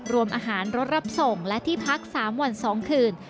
รวมอาหารรถรับส่งและที่พัก๓วัน๒คืน